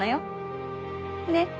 ねっ。